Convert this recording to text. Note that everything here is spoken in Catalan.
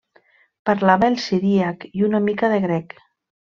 Parlava el siríac i una mica de grec.